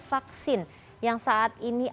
vaksin yang saat ini